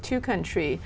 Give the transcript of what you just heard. cô màu đỏ